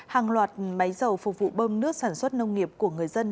hàng loạt máy dầu phục vụ bơm nước sản xuất nông nghiệp của người dân